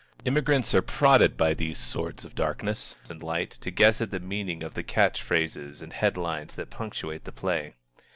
Immigrants are prodded by these swords of darkness and light to guess at the meaning of the catch phrases and headlines that punctuate the play.